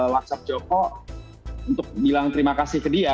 whatsapp joko untuk bilang terima kasih ke dia